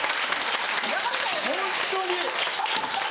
ホントに！